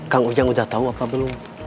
kang ujang udah tahu apa belum